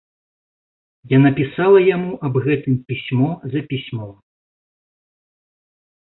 Яна пісала яму аб гэтым пісьмо за пісьмом.